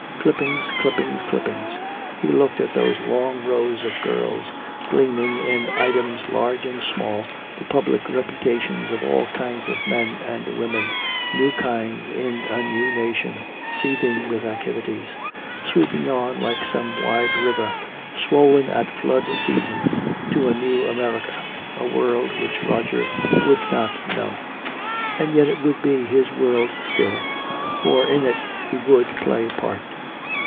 Clippings, clippings, clippings. He looked at those long rows of girls gleaning in items large and small the public reputations of all kinds of men and women, new kinds in a new nation seething with activities, sweeping on like some wide river swollen at flood season to a new America, a world which Roger would not know. And yet it would be his world still, for in it he would play a part.